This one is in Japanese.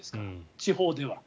地方では。